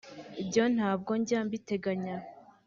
Ibyo ntabwo njya mbiteganya